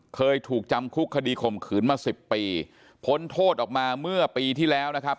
เคยถูกจำคุกคดีข่มขืนมาสิบปีพ้นโทษออกมาเมื่อปีที่แล้วนะครับ